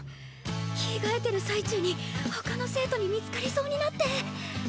着替えてる最中に他の生徒に見つかりそうになって。